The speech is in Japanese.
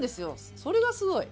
それがすごい。